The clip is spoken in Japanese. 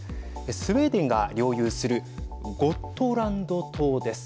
スウェーデンが領有するゴットランド島です。